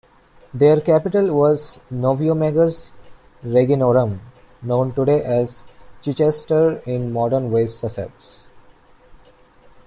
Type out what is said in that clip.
Their capital was "Noviomagus Reginorum", known today as Chichester in modern West Sussex.